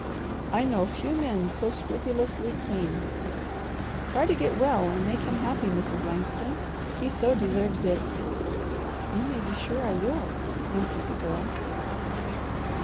I know few men so scrupulously clean. Try to get well and make him happy, Mrs. Langston. He so deserves it." "You may be sure I will," answered the Girl.